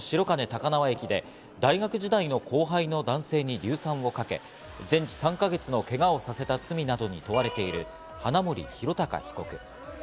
去年の８月、東京の白金高輪駅で大学時代の後輩の男性に硫酸をかけ、全治３か月のけがをさせた罪などに問われている、花森弘卓被告。